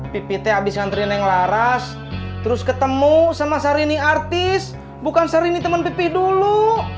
pipih teh abis kantrineng laras terus ketemu sama sarini artis bukan sering teman pipih dulu